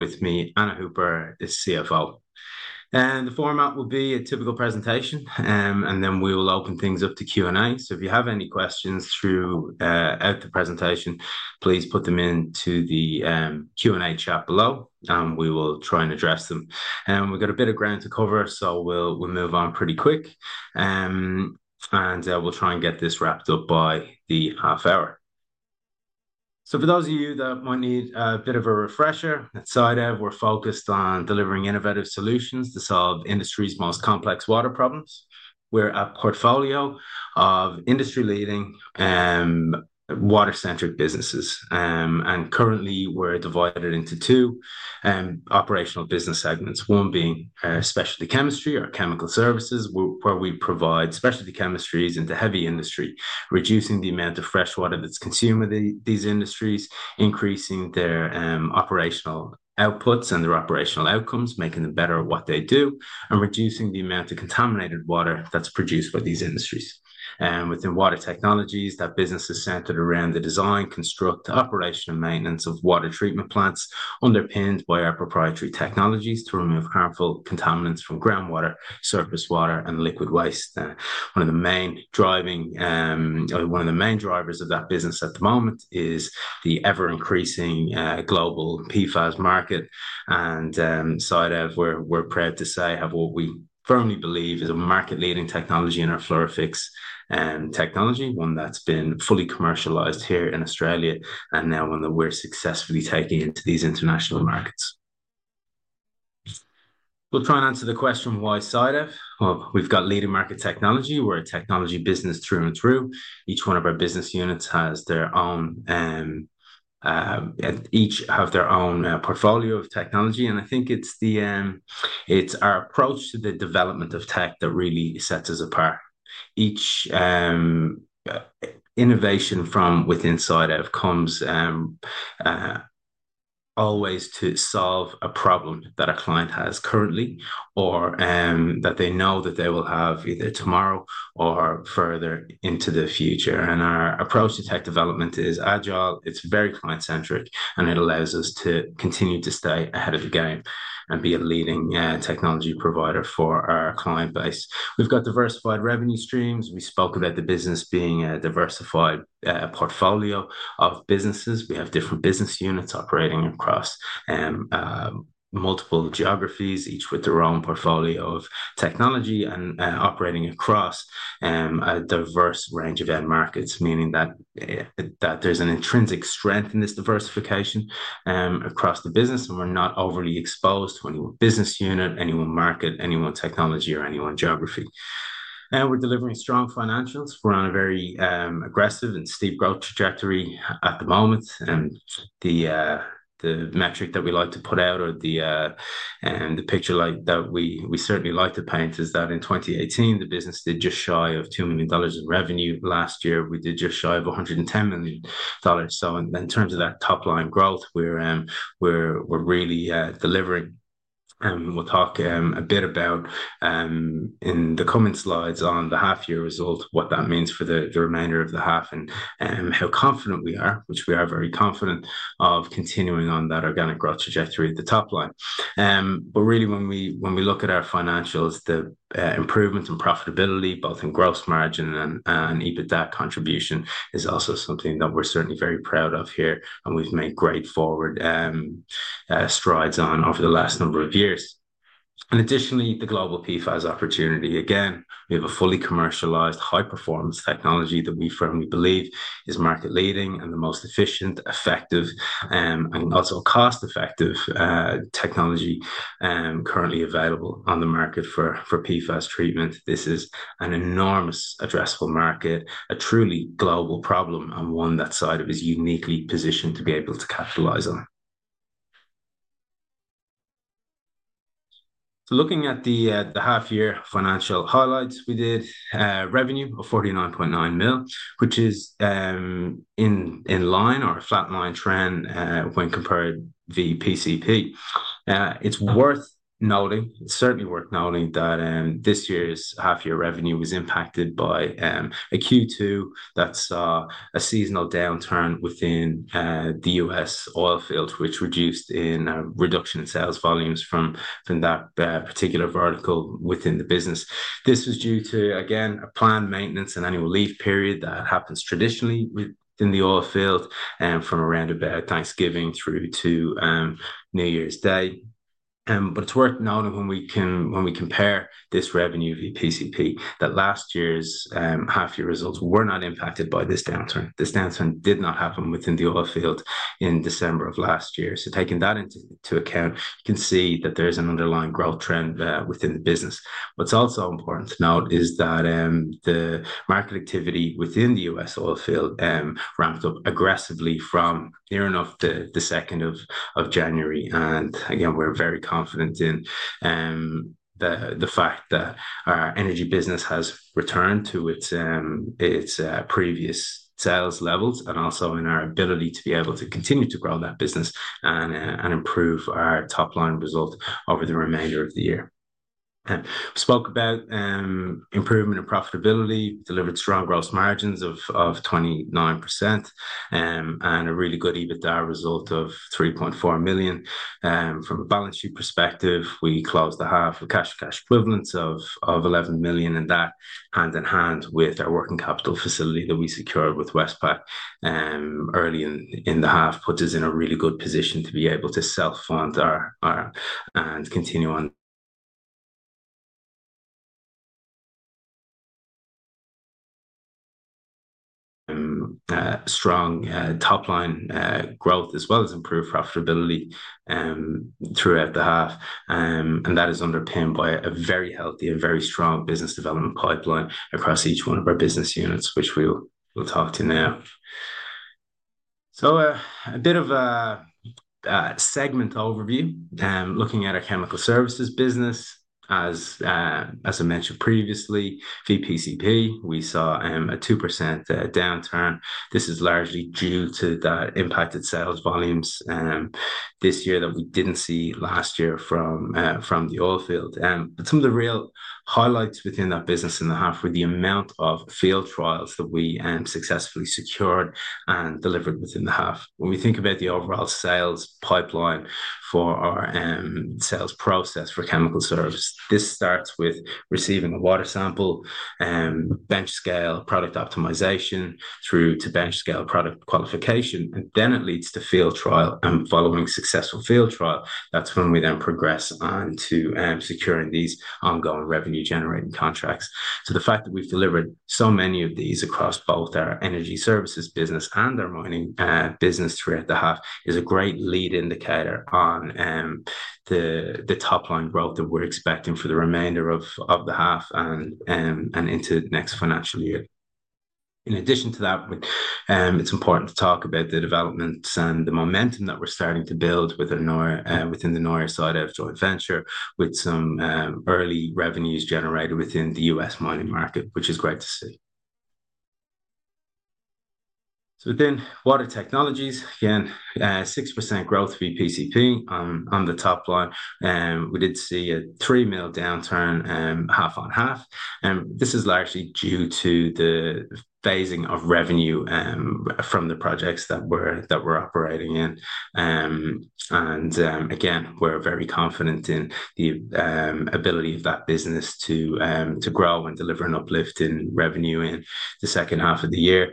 With me, Anna Hooper, the CFO. The format will be a typical presentation, and then we will open things up to Q&A. If you have any questions throughout the presentation, please put them into the Q&A chat below, and we will try and address them. We have got a bit of ground to cover, so we will move on pretty quick, and we will try and get this wrapped up by the half hour. For those of you that might need a bit of a refresher, at SciDev, we are focused on delivering innovative solutions to solve industry's most complex water problems. We are a portfolio of industry-leading water-centric businesses, and currently we are divided into two operational business segments. One being specialty chemistry or chemical services, where we provide specialty chemistries into heavy industry, reducing the amount of fresh water that's consumed by these industries, increasing their operational outputs and their operational outcomes, making them better at what they do, and reducing the amount of contaminated water that's produced by these industries. Within water technologies, that business is centered around the design, construct, and operational maintenance of water treatment plants, underpinned by our proprietary technologies to remove harmful contaminants from groundwater, surface water, and liquid waste. One of the main drivers of that business at the moment is the ever-increasing global PFAS market. SciDev, we're proud to say, have what we firmly believe is a market-leading technology in our FluorofIX technology, one that's been fully commercialized here in Australia, and now one that we're successfully taking into these international markets. We'll try and answer the question, why SciDev? We've got leading market technology. We're a technology business through and through. Each one of our business units has their own—each has their own portfolio of technology. I think it's our approach to the development of tech that really sets us apart. Each innovation from within SciDev comes always to solve a problem that a client has currently or that they know that they will have either tomorrow or further into the future. Our approach to tech development is agile. It's very client-centric, and it allows us to continue to stay ahead of the game and be a leading technology provider for our client base. We've got diversified revenue streams. We spoke about the business being a diversified portfolio of businesses. We have different business units operating across multiple geographies, each with their own portfolio of technology and operating across a diverse range of end markets, meaning that there's an intrinsic strength in this diversification across the business, and we're not overly exposed to any one business unit, any one market, any one technology, or any one geography. We're delivering strong financials. We're on a very aggressive and steep growth trajectory at the moment. The metric that we like to put out or the picture that we certainly like to paint is that in 2018, the business did just shy of $2 million in revenue. Last year, we did just shy of $110 million. In terms of that top-line growth, we're really delivering. We will talk a bit about, in the comment slides on the half-year result, what that means for the remainder of the half and how confident we are, which we are very confident of continuing on that organic growth trajectory at the top line. Really, when we look at our financials, the improvements in profitability, both in gross margin and EBITDA contribution, is also something that we are certainly very proud of here, and we have made great forward strides over the last number of years. Additionally, the global PFAS opportunity. Again, we have a fully commercialized, high-performance technology that we firmly believe is market-leading and the most efficient, effective, and also cost-effective technology currently available on the market for PFAS treatment. This is an enormous addressable market, a truly global problem, and one that SciDev is uniquely positioned to be able to capitalize on. Looking at the half-year financial highlights, we did revenue of $49.9 million, which is in line or a flatline trend when compared to the PCP. It's worth noting—it's certainly worth noting—that this year's half-year revenue was impacted by a Q2. That's a seasonal downturn within the U.S. oil fields, which reduced in reduction in sales volumes from that particular vertical within the business. This was due to, again, a planned maintenance and annual leave period that happens traditionally within the oil field from around about Thanksgiving through to New Year's Day. It's worth noting when we compare this revenue of the PCP that last year's half-year results were not impacted by this downturn. This downturn did not happen within the oil field in December of last year. Taking that into account, you can see that there's an underlying growth trend within the business. What's also important to note is that the market activity within the U.S. oil field ramped up aggressively from near enough the 2nd of January. We are very confident in the fact that our energy business has returned to its previous sales levels and also in our ability to be able to continue to grow that business and improve our top-line result over the remainder of the year. We spoke about improvement in profitability, delivered strong gross margins of 29%, and a really good EBITDA result of $3.4 million. From a balance sheet perspective, we closed the half with cash and cash equivalents of $11 million, and that hand in hand with our working capital facility that we secured with Westpac early in the half put us in a really good position to be able to self-fund our. We continue on strong top-line growth as well as improved profitability throughout the half. That is underpinned by a very healthy and very strong business development pipeline across each one of our business units, which we'll talk to now. A bit of a segment overview. Looking at our chemical services business, as I mentioned previously, VPCP, we saw a 2% downturn. This is largely due to the impacted sales volumes this year that we did not see last year from the oil field. Some of the real highlights within that business in the half were the amount of field trials that we successfully secured and delivered within the half. When we think about the overall sales pipeline for our sales process for chemical service, this starts with receiving a water sample, bench scale product optimization through to bench scale product qualification, and then it leads to field trial. Following successful field trial, that's when we then progress on to securing these ongoing revenue-generating contracts. The fact that we've delivered so many of these across both our energy services business and our mining business throughout the half is a great lead indicator on the top-line growth that we're expecting for the remainder of the half and into next financial year. In addition to that, it's important to talk about the developments and the momentum that we're starting to build within the Nuoer SciDev joint venture with some early revenues generated within the US mining market, which is great to see. Within water technologies, again, 6% growth for VPCP on the top line. We did see a 3 million downturn half on half. This is largely due to the phasing of revenue from the projects that we're operating in. We are very confident in the ability of that business to grow and deliver an uplift in revenue in the second half of the year.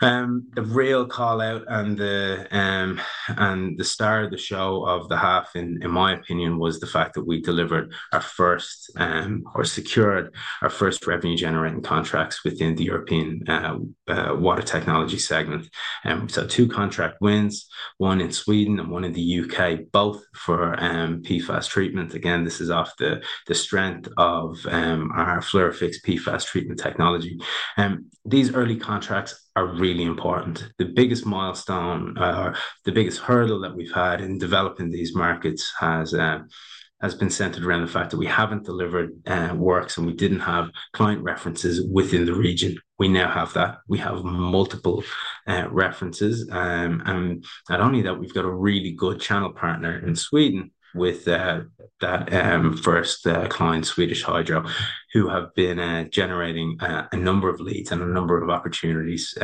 The real callout and the star of the show of the half, in my opinion, was the fact that we delivered our first or secured our first revenue-generating contracts within the European water technology segment. Two contract wins, one in Sweden and one in the U.K., both for PFAS treatment. This is off the strength of our FluorofIX PFAS treatment technology. These early contracts are really important. The biggest milestone or the biggest hurdle that we have had in developing these markets has been centered around the fact that we have not delivered works and we did not have client references within the region. We now have that. We have multiple references. Not only that, we've got a really good channel partner in Sweden with that first client, Swedish Hydro Solutions, who have been generating a number of leads and a number of opportunities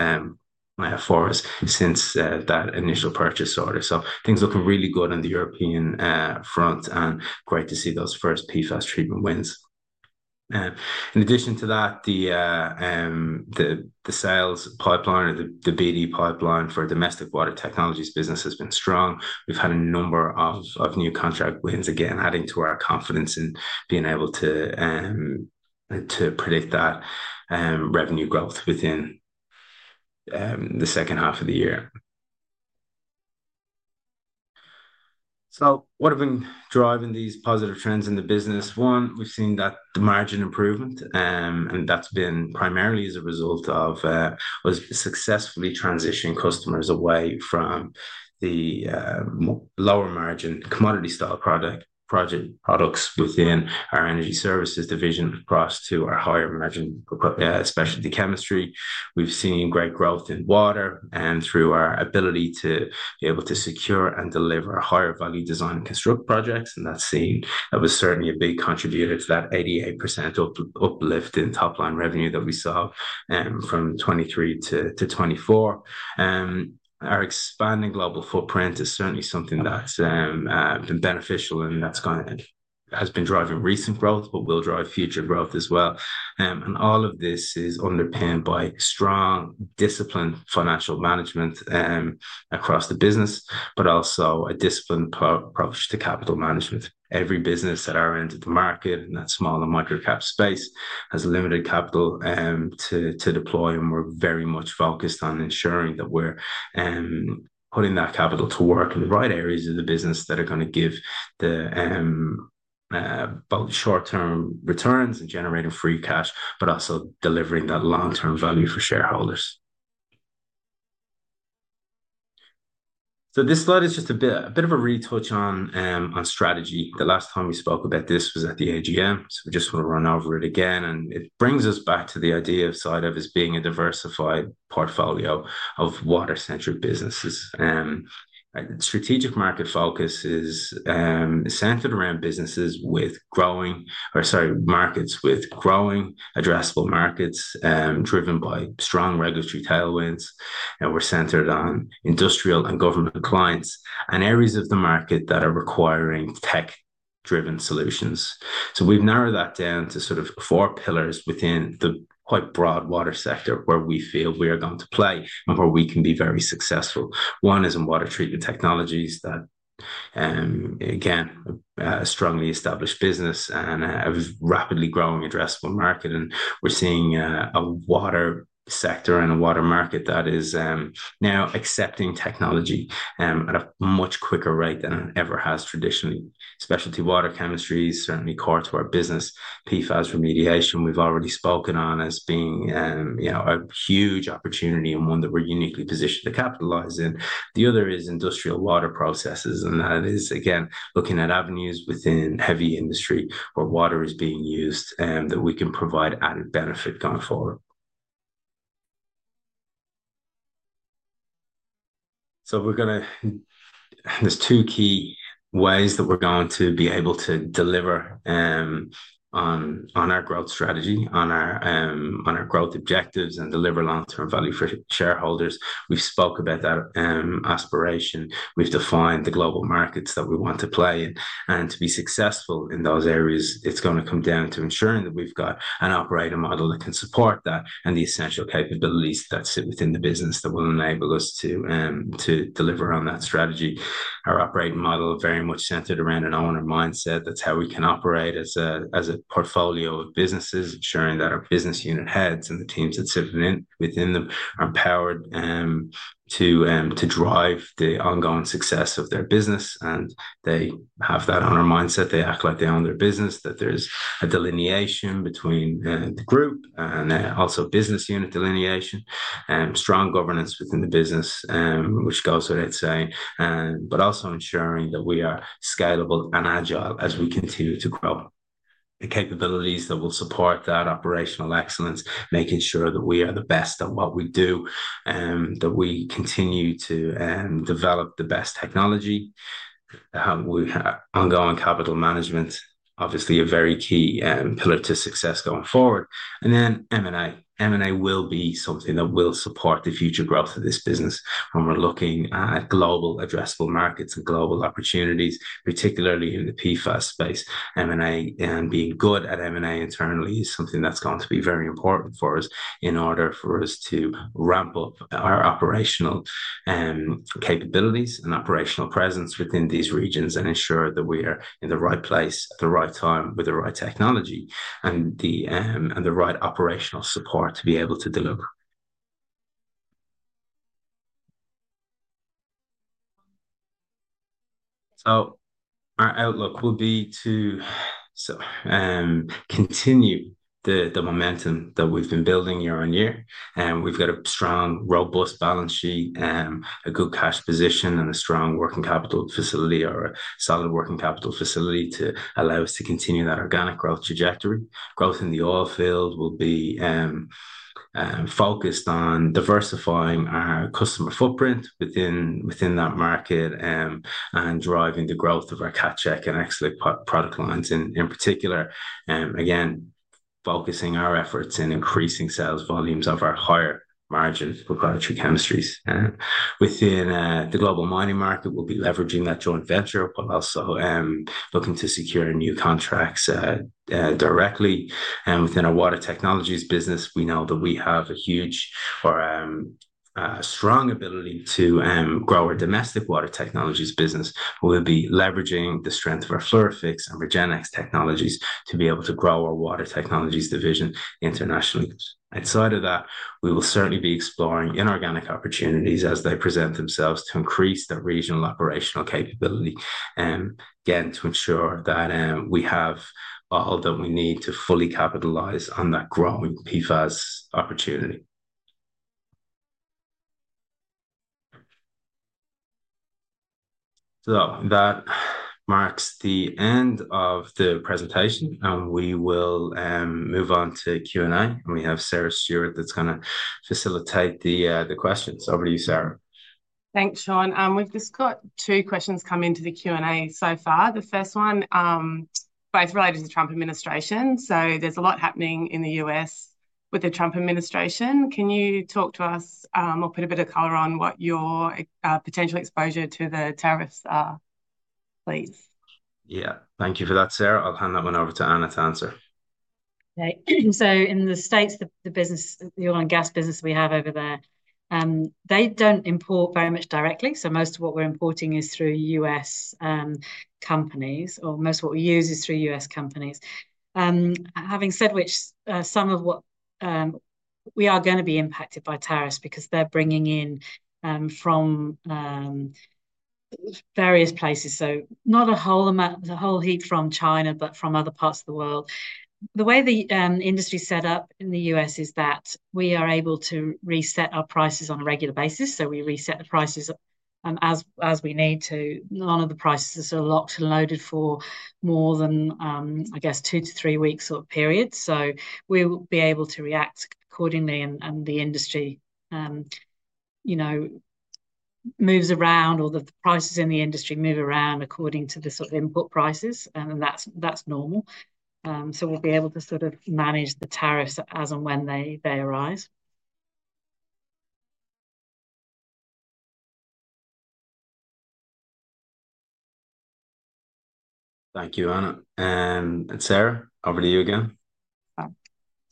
for us since that initial purchase order. Things look really good on the European front, and great to see those first PFAS treatment wins. In addition to that, the sales pipeline or the BD pipeline for domestic water technologies business has been strong. We've had a number of new contract wins, again, adding to our confidence in being able to predict that revenue growth within the second half of the year. What have been driving these positive trends in the business? One, we've seen that the margin improvement, and that's been primarily as a result of us successfully transitioning customers away from the lower margin commodity-style products within our energy services division across to our higher margin specialty chemistry. We've seen great growth in water and through our ability to be able to secure and deliver higher-value design and construct projects. That was certainly a big contributor to that 88% uplift in top-line revenue that we saw from 2023 to 2024. Our expanding global footprint is certainly something that's been beneficial, and that has been driving recent growth, but will drive future growth as well. All of this is underpinned by strong disciplined financial management across the business, but also a disciplined approach to capital management. Every business at our end of the market, in that small and microcap space, has limited capital to deploy, and we're very much focused on ensuring that we're putting that capital to work in the right areas of the business that are going to give both short-term returns and generating free cash, but also delivering that long-term value for shareholders. This slide is just a bit of a retouch on strategy. The last time we spoke about this was at the AGM. We just want to run over it again. It brings us back to the idea of SciDev as being a diversified portfolio of water-centric businesses. Strategic market focus is centered around businesses with growing or, sorry, markets with growing addressable markets driven by strong regulatory tailwinds. We're centered on industrial and government clients and areas of the market that are requiring tech-driven solutions. We've narrowed that down to sort of four pillars within the quite broad water sector where we feel we are going to play and where we can be very successful. One is in water treatment technologies that, again, a strongly established business and a rapidly growing addressable market. We're seeing a water sector and a water market that is now accepting technology at a much quicker rate than it ever has traditionally. Specialty water chemistry is certainly core to our business. PFAS remediation, we've already spoken on as being a huge opportunity and one that we're uniquely positioned to capitalize in. The other is industrial water processes. That is, again, looking at avenues within heavy industry where water is being used that we can provide added benefit going forward. There are two key ways that we're going to be able to deliver on our growth strategy, on our growth objectives, and deliver long-term value for shareholders. We've spoke about that aspiration. We've defined the global markets that we want to play. To be successful in those areas, it's going to come down to ensuring that we've got an operating model that can support that and the essential capabilities that sit within the business that will enable us to deliver on that strategy. Our operating model is very much centered around an owner mindset. That's how we can operate as a portfolio of businesses, ensuring that our business unit heads and the teams that sit within them are empowered to drive the ongoing success of their business. They have that owner mindset. They act like they own their business, that there's a delineation between the group and also business unit delineation, strong governance within the business, which goes without saying, but also ensuring that we are scalable and agile as we continue to grow. The capabilities that will support that operational excellence, making sure that we are the best at what we do, that we continue to develop the best technology. Ongoing capital management, obviously a very key pillar to success going forward. M&A will be something that will support the future growth of this business when we're looking at global addressable markets and global opportunities, particularly in the PFAS space. M&A and being good at M&A internally is something that's going to be very important for us in order for us to ramp up our operational capabilities and operational presence within these regions and ensure that we are in the right place at the right time with the right technology and the right operational support to be able to deliver. Our outlook will be to continue the momentum that we've been building year on year. We've got a strong, robust balance sheet, a good cash position, and a strong working capital facility or a solid working capital facility to allow us to continue that organic growth trajectory. Growth in the oil field will be focused on diversifying our customer footprint within that market and driving the growth of our catch and excellent product lines in particular. Again, focusing our efforts in increasing sales volumes of our higher margin for Biotree chemistries. Within the global mining market, we'll be leveraging that joint venture, but also looking to secure new contracts directly. Within our water technologies business, we know that we have a huge or strong ability to grow our domestic water technologies business. We'll be leveraging the strength of our FluorofIX and RegenIX technologies to be able to grow our water technologies division internationally. Outside of that, we will certainly be exploring inorganic opportunities as they present themselves to increase the regional operational capability and, again, to ensure that we have all that we need to fully capitalize on that growing PFAS opportunity. That marks the end of the presentation. We will move on to Q&A. We have Sarah Stewart that's going to facilitate the questions. Over to you, Sarah. Thanks, Sean. We've just got two questions coming to the Q&A so far. The first one, both related to the Trump administration. There is a lot happening in the U.S. with the Trump administration. Can you talk to us or put a bit of color on what your potential exposure to the tariffs are, please? Yeah, thank you for that, Sarah. I'll hand that one over to Anna to answer. Okay. In the States, the business, the oil and gas business we have over there, they do not import very much directly. Most of what we are importing is through U.S. companies, or most of what we use is through U.S. companies. Having said which, some of what we are going to be impacted by tariffs because they are bringing in from various places. Not a whole heap from China, but from other parts of the world. The way the industry is set up in the U.S. is that we are able to reset our prices on a regular basis. We reset the prices as we need to. None of the prices are locked and loaded for more than, I guess, two to three weeks or period. We will be able to react accordingly. The industry moves around, or the prices in the industry move around according to the sort of input prices. That is normal. We will be able to sort of manage the tariffs as and when they arise. Thank you, Anna. Sarah, over to you again.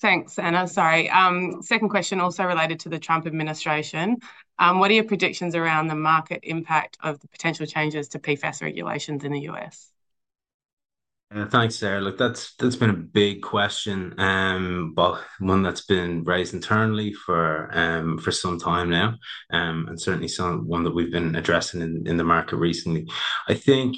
Thanks, Anna. Sorry. Second question also related to the Trump administration. What are your predictions around the market impact of the potential changes to PFAS regulations in the U.S.? Thanks, Sarah. Look, that's been a big question, but one that's been raised internally for some time now and certainly one that we've been addressing in the market recently. I think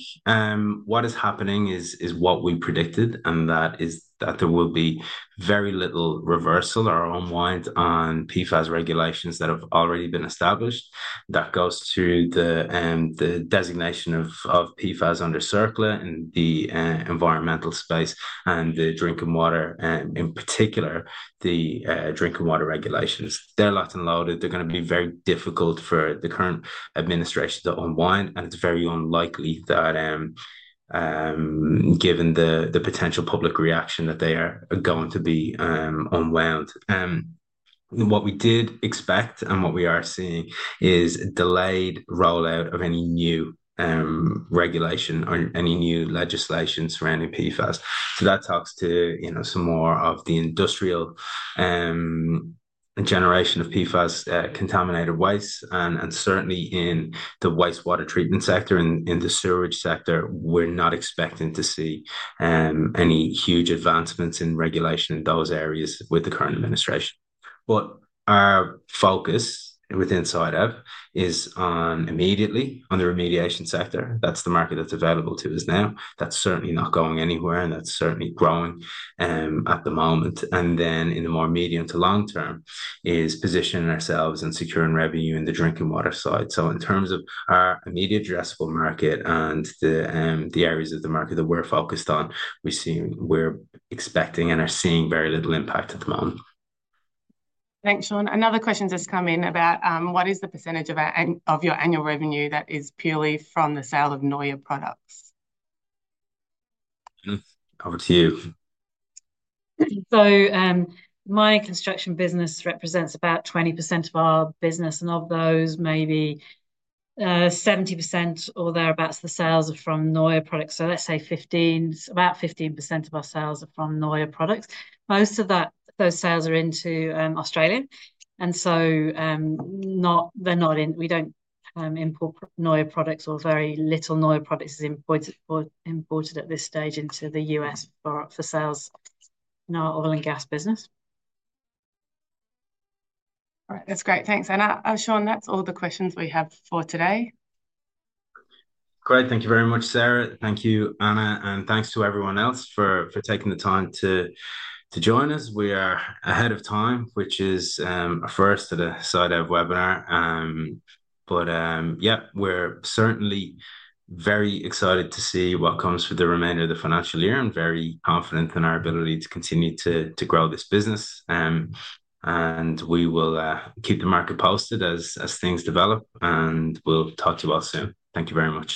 what is happening is what we predicted, and that is that there will be very little reversal or unwind on PFAS regulations that have already been established. That goes through the designation of PFAS under CERCLA in the environmental space and the drinking water, in particular, the drinking water regulations. They're locked and loaded. They're going to be very difficult for the current administration to unwind. It is very unlikely that, given the potential public reaction, that they are going to be unwound. What we did expect and what we are seeing is a delayed rollout of any new regulation or any new legislation surrounding PFAS. That talks to some more of the industrial generation of PFAS contaminated waste. Certainly in the wastewater treatment sector, in the sewage sector, we're not expecting to see any huge advancements in regulation in those areas with the current administration. Our focus within SciDev is immediately on the remediation sector. That's the market that's available to us now. That's certainly not going anywhere, and that's certainly growing at the moment. In the more medium to long term is positioning ourselves and securing revenue in the drinking water side. In terms of our immediate addressable market and the areas of the market that we're focused on, we're expecting and are seeing very little impact at the moment. Thanks, Sean. Another question just come in about what is the percentage of your annual revenue that is purely from the sale of Nuoer products? Over to you. My construction business represents about 20% of our business, and of those, maybe 70% or thereabouts, the sales are from Nuoer products. Let's say about 15% of our sales are from Nuoer products. Most of those sales are into Australia. They're not in, we don't import Nuoer products, or very little Nuoer products is imported at this stage into the United States for sales in our oil and gas business. All right. That's great. Thanks, Anna. Sean, that's all the questions we have for today. Great. Thank you very much, Sarah. Thank you, Anna. Thanks to everyone else for taking the time to join us. We are ahead of time, which is a first at a SciDev webinar. Yeah, we're certainly very excited to see what comes for the remainder of the financial year and very confident in our ability to continue to grow this business. We will keep the market posted as things develop, and we'll talk to you all soon. Thank you very much.